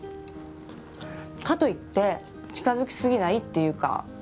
かといって近づきすぎないっていうか。